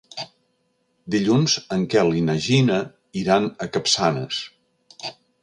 Dilluns en Quel i na Gina iran a Capçanes.